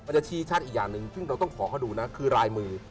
จะชี้ชัดอีกอย่างหนึ่งซึ่งเราต้องขอเขาดูนะคือลายมือ